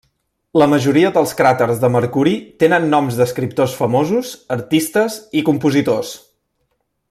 La majoria dels cràters de Mercuri tenen noms d'escriptors famosos, artistes i compositors.